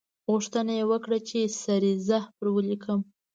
غوښتنه یې وکړه چې سریزه پر ولیکم.